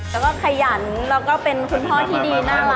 แล้วก็ขยันแล้วก็เป็นคุณพ่อที่ดีน่ารัก